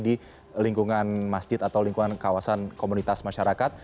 di lingkungan masjid atau lingkungan kawasan komunitas masyarakat